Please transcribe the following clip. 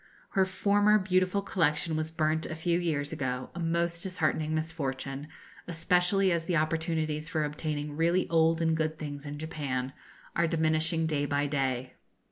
Her former beautiful collection was burnt a few years ago, a most disheartening misfortune, especially as the opportunities for obtaining really old and good things in Japan are diminishing day by day.